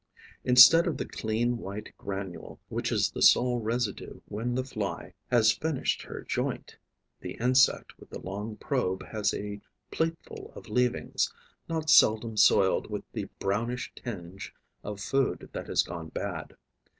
Instead of the clean white granule which is the sole residue when the Fly has finished her joint, the insect with the long probe has a plateful of leavings, not seldom soiled with the brownish tinge of food that has gone bad.